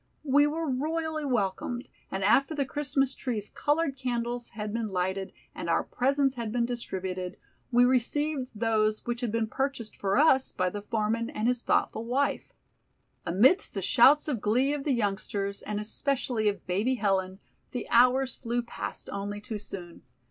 We were royally welcomed, and after the Christmas tree's colored candles had been lighted and our presents had been distributed, we received those which had been purchased for us by the foreman and his thoughtful wife. Amidst the shouts of glee of the youngsters, and especially of Baby Helen, the hours flew past only too soon.